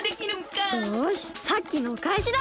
よしさっきのおかえしだ！